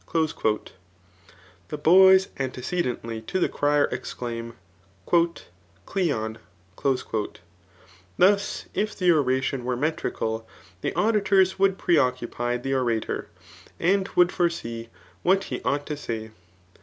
*' the boys antece dently to the cryer exclaim, " Cleon;— [thus if the orsition were metrical^ the auditors would preoccupy ^ orator, and would foresee what he ought to say.